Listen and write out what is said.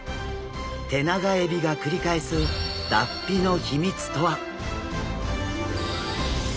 テナガエビが繰り返す脱皮の秘密とは？